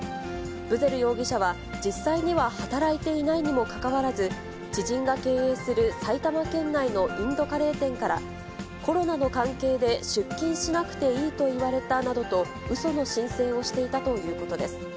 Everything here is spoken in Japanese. ブゼル容疑者は、実際には働いていないにもかかわらず、知人が経営する埼玉県内のインドカレー店から、コロナの関係で出勤しなくていいと言われたなどと、うその申請をしていたということです。